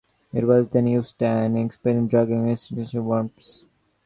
It was then used as an inexpensive drug against intestinal worms.